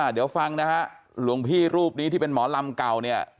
เดี๋ยวฟังนะฮะหลวงพี่รูปนี้ที่เป็นหมอลำเก่าเนี่ย